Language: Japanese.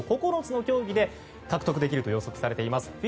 ９つの競技で獲得できると予測されています。